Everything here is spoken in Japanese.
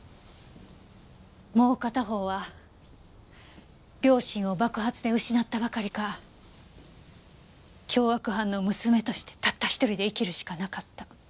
もう片方は両親を爆発で失ったばかりか凶悪犯の娘としてたった一人で生きるしかなかった。